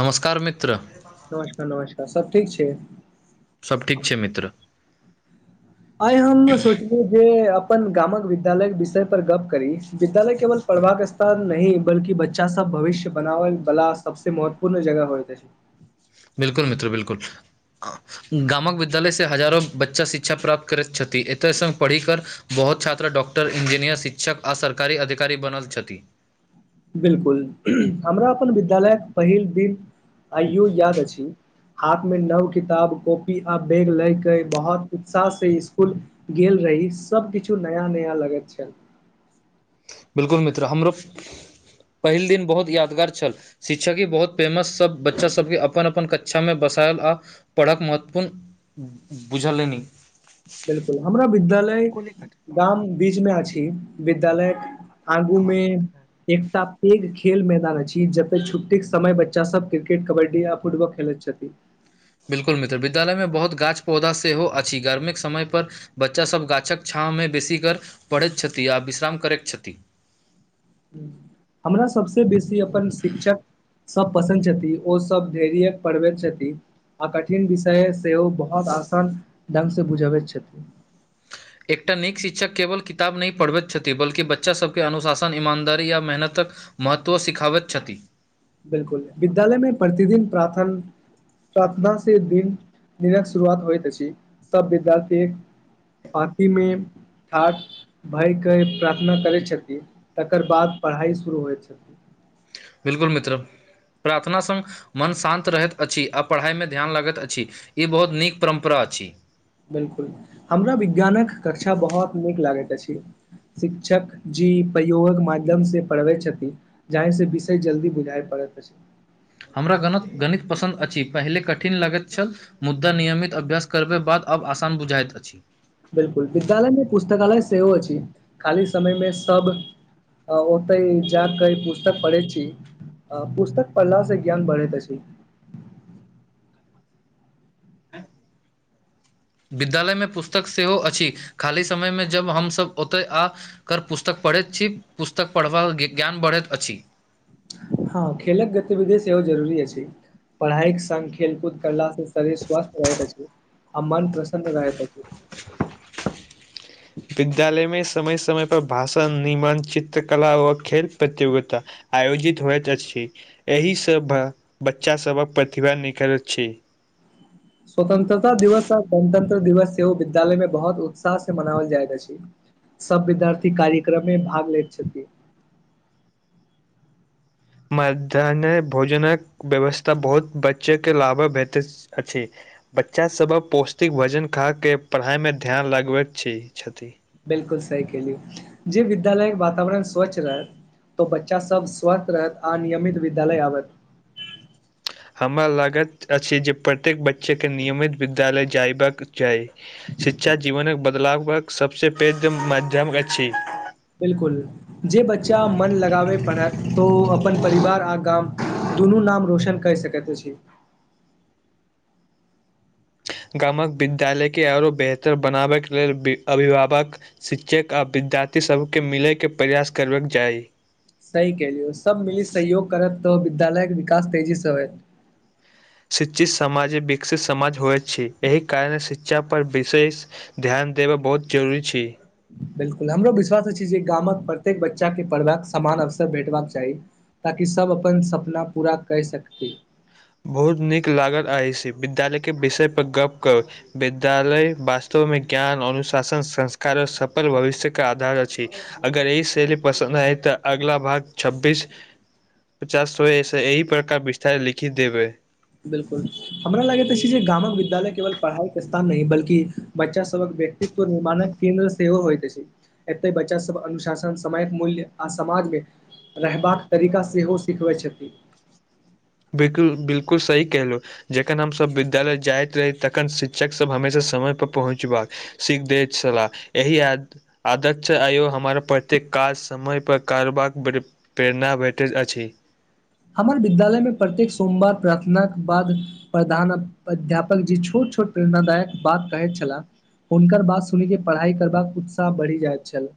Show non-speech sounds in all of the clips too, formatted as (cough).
नमस्कार मित्र नमस्कार नमस्कार सब ठीक छय सब ठीक छय मित्र आइ हम सोच जे अपन गामक विद्यालय विषय पर गप करी विद्यालय केवल पढ़बाक पैब नइ बल्किबच्चा सब भविष्य बनाबै बालला सबे महत्वपूर्ण जगह होइत अछि बिल्कुल मित्र बिल्कुल गामक विद्यालयसँ हजारो बच्चा शिक्षा प्राप्त करैत छथि एतय संग पढ़िकर बहुत छात्र डाक्टर इंजीनियर शिक्षक आ सरकारी अधिकारी बनल छथि बिलकुल हमरा अपन विद्यालयक पहिल दिन आइयो याद अछि हाथ में नव किताब कॉपी आ बैग लयके बहुत उत्साह से स्कुल गेल रही सभकिछु नया नया लगैत छल बिलकुल मित्र हमरो पहिल दिन बहुत यादगार छल शिक्षा की बहुत फेमस सब बच्चा सबके अपन अपन कक्षा में बसायल आ पढ़ाक महतपन बुझलनि बिल्कुल हमरा विद्यालय गाम बीचमें अछि विद्यालय आगू मेँ एकटा पैघ खेल मैदान अछि जते छुट्टीक के समय बच्चा सब क्रिकेट कबड्डी आ फुटबॉल खेलैत छथि बिल्कुल मित्र विद्यालयमे बहुत गाछ पौधा सेहो अछि गर्मीक समयपर बच्चासभ गाछक छाँहमे बेसी कर पढ़ैत छथि आ विश्राम करैत छथि हू हमरा सभसँ बेसी अपन शिक्षक सब पसन्द छथिन ओ सब धैर्य पढ़बैत छथिन आ कठिन विषय सेहो ओ बहुत आसान ढंगसँ बुझबैत छथिन एकटा नीक शिक्षक केवल किताब नइ पढ़बैत छथि बल्कि बच्चा सबके अनुशासन ईमानदारी या मेहनतक महत्व सिखावैत छथि बिलकुल विद्यालयमे प्रतिदिन प्राथन प्रार्थना से दिन दिनक शुरुआत होइत अछि सब विद्यार्थी पांति मे ठार भय के प्रार्थना करै छथिन तकर बाद पढ़ाइ शुरू होइ छथिन बिल्कुल मित्र प्रार्थना संग मन शान्त रहैत अछि आ पढ़ाइमे ध्यान लगैत अछि ई बहुत नीक परम्परा अछि बिल्कुल हमरा विज्ञानक कक्षा बहुत नीक लागैत अछि शिक्षक जी प्रयोगक माध्यमसँ पढ़बै छथिन जाहि से विषय जल्दी बुझााय पड़ैत अछि हमरा गणत गणित पसन्द अछि पहिले कठिन लागैत छल मुद्दा नियमित अभ्यास करबे बाद अब आसान बुझाइत अछि बिलकुल विद्यालय मे पुस्तकालय सेहो अछि खाली समय मे सब ओतेय ज कऽ ई पुस्तक पढ़े छी अ पुस्तक पढ़ला से ज्ञान बढ़ेैत अछि विद्यालयमे पुस्तक सेहो अछि खाली समयमे जब हमसभ ओतय आ कर पुस्तक पढ़ैत छी पुस्तक पढ़बाक ज्ञान बढ़ैत अछि हँ खेलक गतिविधि सेहो जरूरी अछि पढ़ाईक संग खेल कूद करला शरीर स्वस्थ रहैत अछि आ मन प्रसन्न रहत अछि विद्यालयमे समय समयपर भाषण निमन चित्रकला व खेल प्रतियोगिता आयोजित होइत अछि एहि सभ बच्चा सभक प्रतिभा निखलैत छै स्वतंत्रता दिवस आ गणतंत्र दिवस सेहो ओ विद्यालय में बहुत उत्साह से मनाओल जाय अछि सब विद्यार्थी कार्यक्रमे भाग लैत छथि मध्याहन भोजनक व्यवस्था बहुत बच्चे के लाभ भेटे अछि बच्चाभक पौष्टिक भोजन खा के पढ़ाइमे ध्यान लगबैत छी छथि बिल्कुल सही केहलु जे विद्यालयके वातावरण स्वच्छ रहत तो बच्चा सब स्वस्थ रहत आ नियमित विद्यालय आबत हमरा लागैत अछि जे प्रत्येक बच्चेके नियमित विद्यालय जयबाक चाही शिक्षा जीवनक बदलाव क सबस पेघ माध्यम अछि बिलकुल जे बच्चा मन लगाबय पढ़त तऽ ओ अपन परिवार आ गाम दुनू नाम रोशन कर सकै कत छी गामक विद्यालयके आओरो बेहतर बनाबै लेल अभिभावक शिक्षक आ विद्यार्थीसभकेँ मिलयके प्रयास करबाक चाही सही क लियौ सभ मिली सहयोग करत तऽ विद्यालयके विकास तेजीसँ होत शिक्षित समाज ही विकसित समाज होइ छै एहि कारणे शिक्षा पर विशेष ध्यान देबय बहुत जरूरी छै बिलकुल हमरो विश्वास अछि जे गामक प्रत्येक बच्चाके पढ़बाक समान अवसर भेटबाक चाही ताकि सब अपन सपना पूरा कई सकतै बहुत नीक लागल अछिस विद्यालय के विषय पर गप कर विद्यालय वास्तव मे ज्ञान अनुशासन संस्कार और सफल भविष्य के आधार अछि अगर ई शैली पसन्द आइ तऽ अगला भाग छब्बीस पचास सौ एहि प्रकार विस्तार लिखि देबै बिल्कुल हमरा लगैत अछि जे गामक विद्यालय केवल पढ़ाइके स्थान नहि बल्कि बच्चा सबक व्यक्तित्व निर्माणक केन्द्र सेहो होइत अछि एते बच्चा सब अनुशासन समयक मूल्य आ समाजमे रहबाक तरीका सेहो सिखबैत छथिन बिल्कुल बिल्कुल सही कहलहो जखन हमसभ विद्यालय जाइत रही तखन शिक्षकसभ हमेशा समयपर पहुँच बाक सिख द छला एहि आदत स आयो हमर प्रत्येक काज समयपर कारबाक प्रेरणा भेटैत अछि हमर विद्यालय में प्रत्येक सोमवार प्रार्थनाक के बाद प्रधान अध्यापक जी छोट छोट प्रेरणादायक बात कहैत छलाह हुनकर बात सुन के पढ़ाई करबाक उत्साह बढ़ि जाइत छल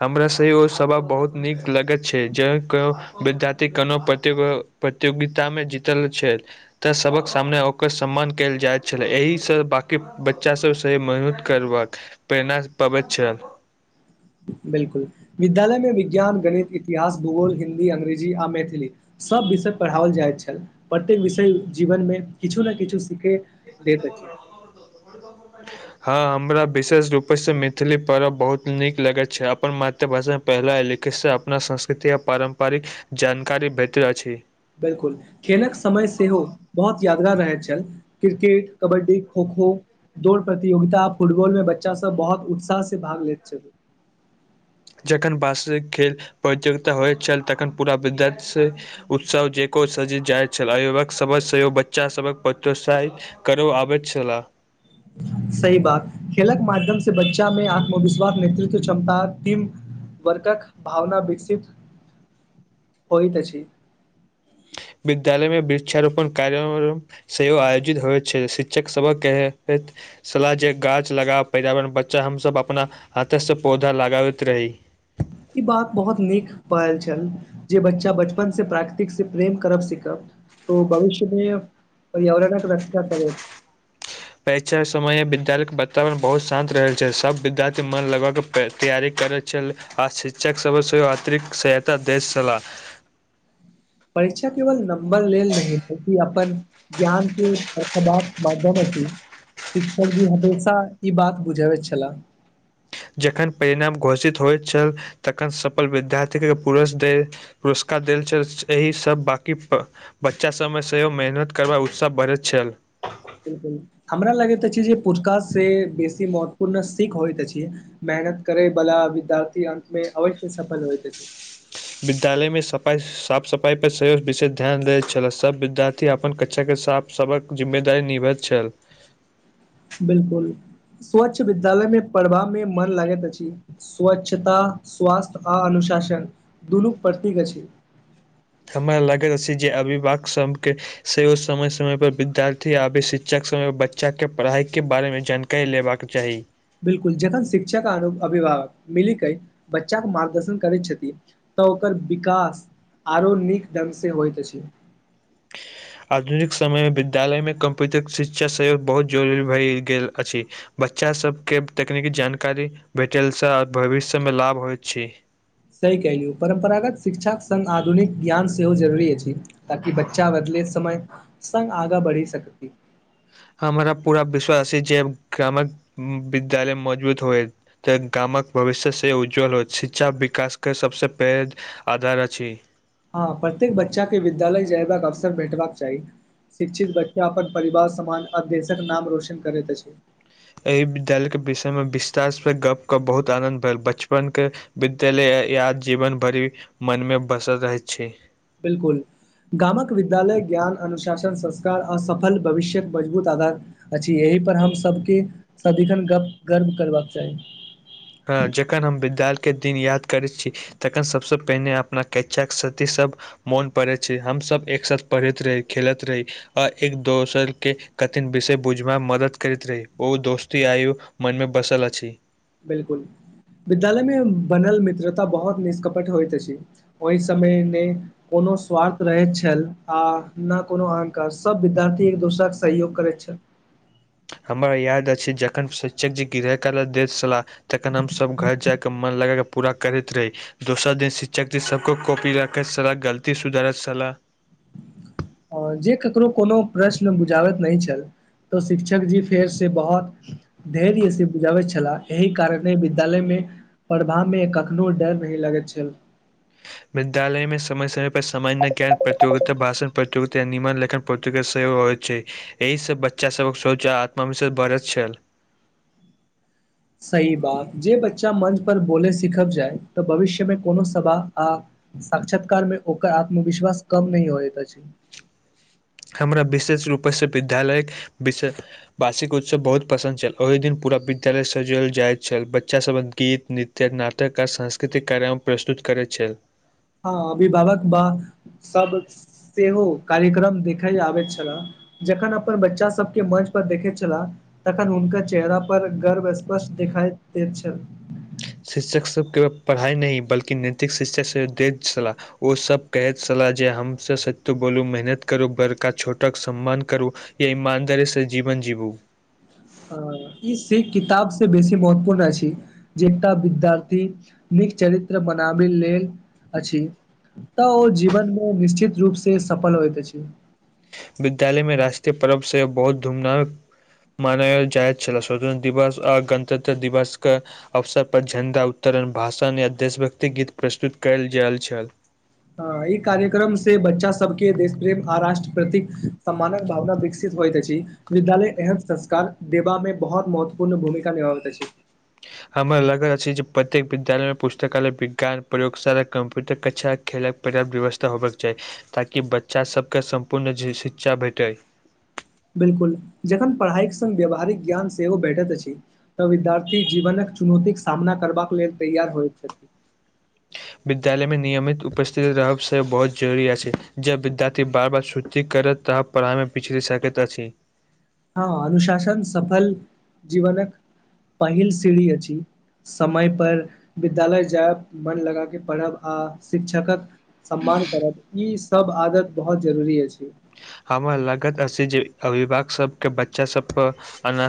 हमरा से ओ सब बहुत नीक लगैत छै जे केओ विद्यार्थी कोनो प्रतियोगिता में जीतल छै तऽ सभक सामने ओकर सम्मान कयल जाइत छलै एहिसँ बाँकी बच्चा सभसँ मेहनत करबाक प्रेरण पाबैत छै ल बिल्कुल विद्यालयमे विज्ञान गणित इतिहास भूगोल हिन्दी अंग्रेजी आ मैथिली सभ विषय पढ़ाओल जाइत छल प्रत्येक विषय जीवनमे किछु ने किछु सीखे दैत अछि (unintelligible) हँ हमरा विशेष रूपे से मैथिली पर्व बहुत नीक लगैत छै अपन मा पहिला लिखितसँ अपना संस्कृति आओ पारम्परिक जानकारी भेटैत अछि बिल्कुल खेलक समय सेहो बहुत यादगार रहैत छल क्रिकेट कबड्डी खो खो दौड़ प्रतियोगिता फुटबॉल में बच्चा सब बहुत उत्साह से भाग लैत छल जखन वास्तविक खेल प्रतियोगिता होइत छल तखन पूरा विद्यार्थी स उत्सव जेक (unintelligible) छल सभ सेहो बच्चा सभक प्रोत्साहित करो आबैत छलह सही बात खेलक माध्यम से बच्चा मे आत्मविश्वास नेतृत्व क्षमता टीम वर्कक भावना विकसित (unintelligible) होइ अहि विद्यालय मे वृक्षारोपण से आयोजित होइ छै शिक्षक सभक क सलाह जे गाछ लगा पर्यावरण बचा हमसभ अपना हाथसँ पौधा लगाबैत रही ई बात बहुत नीक पायल छल जे बच्चा बचपन से प्राकृतिक से प्रेम करब सिखब तो भविष्यमे पर्यावरणक रक्षा करैत परीक्षा के समय य विद्यालय के वातावरण बहुत शांत रहे छै सब विद्यार्थी मन लगबा के तैयारी करैत आ शिक्षक सब सेहो अतिरिक्त सहायता दै छलाह परीक्षा केवल नंबर लेल नाहि अपन ज्ञान की प्रतिभा के माध्यम अछि शिक्षक जी हमेशा ई बात बुझबैत छलाह जखन परिणाम घोषित होइत छल तखन सफल विद्यार्थीके पुरष दै त पुरस्कार देल छल एहि सब बाकीफ बच्चा समय सेहोय मेहनत कर उत्साह बढ़ छल बिलकुल हमरा लगैत अछि जे पुुरक से बेसी महत्वपूर्ण सीख होइत अछि मेहनत करे भला विद्यार्थी अन्त में अवश्य सफल होइ विद्यालय में सफाइ साफ सफाइ पर विशेष ध्यान दै छलै सब विद्यार्थी अपन कच्षाके साफ सबक जिम्मेदारी निभैत छल बिलकुल स्वच्छ विद्यालय में पढ़बा में मन लागैत अछि स्वच्छता स्वास्थ्य आ अनुशासन दुनू प्रतीक छइ हमरा लागैत अछि जे अभिभावक सबके सेहो समय समय पर विद्यार्थी आबे शिक्षक समय पर बच्चा के पढ़ाई के बारे में जानकारी कहि लेबाक चाही बिलकुल जखन शिक्षक अभिभावक मिली क बच्चाे मार्गदर्शन करैत छथि तऽ ओकर विकास आरो नीक ढङ्गसँ होइत अछि हँ आधुनिक समयमें विद्यालयमे कम्प्यूटर शिक्षा सहयोग बहुत जरुररी भए गेल अछि बच्चास सबके तकनीकी जानकारी भेटलसँ आओर भविष्यमे लाभ होइत छै सही कलियू परम्परागत शिक्षाक सङ्ग आधुनिक ज्ञान सेहो जरूरी अछि ताकि बच्चा बदले समय सङ्ग आगाँ बढ़ि सकत हमरा पूरा विश्वास ह जे ग्रामक विद्यालय मौजूद होए तऽ गामक भविष्य से उज्ज्वल होयत शिक्षा विकासके सभसँ पैघ आधार अछि हँ प्रत्येक बच्चा के विद्यालय जयबाक अवसर भेटबाक चाही शिक्षित बच्चा अपन परिवार समान आ देशक नाम रौशन करैत अछि एहि विद्यालयके विषयमें विस्तारसँ गपके बहुत आनन्द भेल बचपनके विद्यालय या जीवन भरि मन में बसल रहैत छै बिलकुल गामक विद्यालय ज्ञान अनुशासन संस्कार आ सफल भविष्य्यक मजबूत आधार अछि यही पर हम सबके सदिखन गप गर्व करबाक चाही हँ जखन हम विद्यालय के दिन याद करैत छी तखन सबस पहिने अपना कैचा सती सब मोन पड़ै छै हमसब एक साथ पढ़ैत रही खेलैत रही आ एक दोसर के कठिन विषय बुझब में मदद करैत रही ओ दोस्ती आयौ मनमे बसल अछि बिल्कुल विद्यालय में बनल मित्रता बहुत निष्कपट होइत अछि ओहि समय ने कोनो स्वार्थ रहैत छल आ नय कोनो अहंकार सभ विद्यार्थी एक दोसराके सहयोग करैत छल हमरा याद अछि जखन शिक्षक जी गृय कार्य दैत छलाह तखन हमसब घर जाय कऽ मन लगा कऽ पूरा करैत रही दोसर दिन शिक्षक सबको कॉपी राखैत सलाह गलती सुधारैत छलाह जे ककरो कोनो प्रश्न बुझाबैत नइ छल तऽ शिक्षक जी फेरसँ कहत धैर्य से बुझाबैत छलाह एहि कारणे विद्यालय में पढ़भा में कखनो डर नहि लगैत छल विद्यालय में समय समय पर सामान्य ज्ञान प्रतियोगिता भाषण प्रतियोगिता य निमान लेखन पर प्रत सेहो होइत छै एहि से बच्चा सबक सोच आ आत्म विश्वास बढ़ैत छल सही बात जे बच्चा मंच पर बोले सिखब जाय तऽ भविष्यमें कोनो सभा आ साक्षात्कार में ओकर आत्मविश्वास कम नहि होत ऐछ छै हमरा विशेष रूपससँ विद्यालय विशेष वार्षिक उत्सव बहुत पसंन्द छल ओहि दिन पूरा विद्यालय सजल जाय छल बच्चा सब गीत नृत्य त नाटककार आ सांस्कृतिक कार्यकम प्रस्तुत करै छै हँ अभिभावक वा सब सेहो कार्यक्रम देखे आबैत छले जखन अपन बच्चा सबके मञ्च पर देखैत छलाह तखन हुनक चेहरा पर गर्व स्पष्ट दिखाई दे छल शिक्षक सबके पढ़ाइ नहि बल्कि नैतिक शिक्षक सब द छह ओ सब कहैत छलाह जे हम सब सत्यू बोलू मेहनत करू बड़का छोटक सम्मान करू या ईमानदारी से जीवन जीबू ई सिख किताब से बेसी महत्वपूर्ण अछि जे एकटा विद्यार्थी नीक चरित्र बनाबै लेल अछि तऽ ओ जीवन मे निश्चित रूपसँ सफल होइत अछि विद्यालय में राष्ट्रीय पर्व से बहुत धूमनाक मनायल जाइत छल स्वतंत्र दिवस आ गणतंत्र दिवस कऽ अवसर पर झण्डा उत्तरण भाषण य देशभक्ति गीत प्रस्तुत कयल जाल छल ई कार्यक्रम से बच्चा सबके देश प्रेम आ राष्ट्र प्रतिक सम्मानक भावना विकसित होइत अछि विद्यालय एह संस्कार देबा में बहुत महत्वपूर्ण भूमिका निभाबैत अछि हमर लगल अछि जे प्रत्येक विद्यालय मे पुस्तकालय विज्ञान प्रयोगशाला कंप्यूटर कक्षा खेलक पर्याप्त व्यवस्था होबबाक के चाही ताकि बच्चा सबके सम्पूर्ण शिक्षा भेटै बिलकुल जखन पढ़ाइक संगङ्ग व्यावहारिक ज्ञान सेहो भैठैत अछि तऽ विद्यार्थी जीवनक चुनौतीके सामना करबाक लेल तैयार होइत छै विद्यालयमे नियमित उपस्थिति रहबसँ बहुत जरूरी अछि छै जब विद्यार्थी बार बार छुटी करत तब पढ़ाइमे पिछड़ी सकेैत अछि हँ अनुशासन सफल जीवनक पहिल सीढ़ी अछि समय पर विद्यालय जायब मन लगााक पढ़ब आ शिक्षकक सम्मान करब ईसभ आदत बहुत जरूरी अछि हमर लागत अ जे अभिभक सबके बच्चा सब पर अना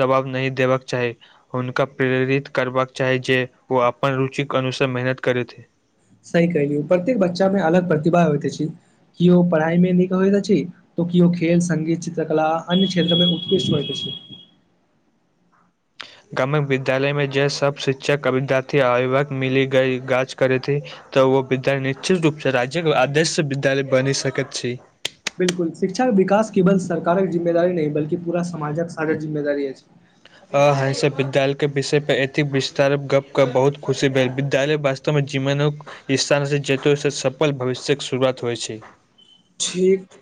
जवाब नहि देबाक चाही हुनका प्रेरित करबाक चाही जे ओ अपन रुचिक अनुसार मेहनत करैथ सही कहिलियौ प्रत्येक बच्चा मे अलग प्रतिभा होइत अछि कि ओ पढ़ाई मे नीक होइत अछि ओ कियो ओ खेल संगीत चित्रकला अन्य क्षेत्र मे उतकृष्ट होयके छै ग्रम विद्यालय मे जे सब शिक्षक विद्यार्थी आभिवाक मिली ग गाज करेथे तऽ ओ विद्यालय निश्चित रूप से राज्यके आदर्श विद्यालय बनी सकैत छै बिल्कुल शिक्षाक विकास केवल सरकारक जिम्मेवारी नहि बलकि पूरा समाजक सबहक जिम्मेवारी अछि आ सब विद्यालय के विषय प एतेक विस्तार गप के बहुत खुशी भेल विद्यालय वास्त जीवन स्थान जत सफल भविष्यके शुरुआत होइ छै ठीक